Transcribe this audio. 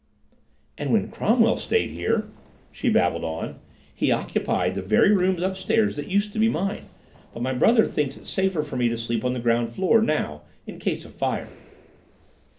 "And when Cromwell stayed here," she babbled on, "he occupied the very rooms upstairs that used to be mine. But my brother thinks it safer for me to sleep on the ground floor now in case of fire."